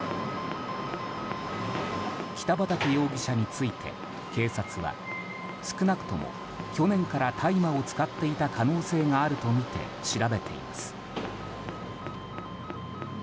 北畠容疑者について警察は、少なくとも去年から大麻を使っていた可能性があるとみて調べています。